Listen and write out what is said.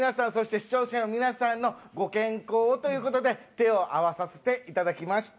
視聴者の皆さんのご健康をということで手を合わさせていただきました。